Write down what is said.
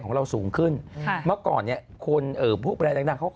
คือเมื่อก่อนเนี่ยคนเมืองนอก